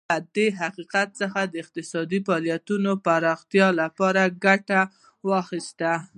له دې حقونو څخه یې د اقتصادي فعالیتونو پراختیا لپاره ګټه واخیسته.